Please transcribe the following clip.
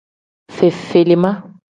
Fefelima.